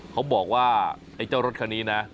เขาบอกว่าเจ้ารถคานี้น่ะ